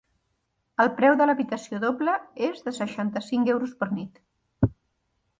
El preu de l'habitació doble és de seixanta-cinc euros per nit.